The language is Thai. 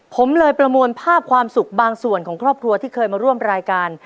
ผมเลยประมวลภาพความสุขบางส่วนของครอบครัวที่เคยมาร่วมรายการ